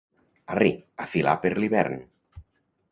Arri, a filar per l'hivern.